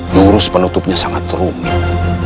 jurus penutupnya sangat rumit